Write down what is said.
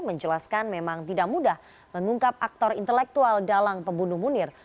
menjelaskan memang tidak mudah mengungkap aktor intelektual dalang pembunuh munir